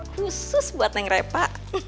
khusus buat neng reva